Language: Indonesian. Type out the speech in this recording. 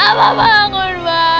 abah bangun abah